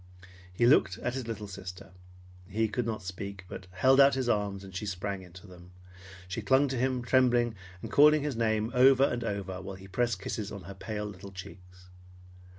He looked at his little sister. He could not speak, but held out his arms, and she sprang into them. She clung to him trembling, and calling his name over and over while he pressed kisses on her pale little cheeks.